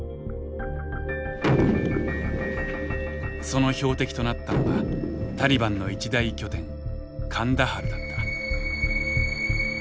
その標的となったのがタリバンの一大拠点カンダハルだった。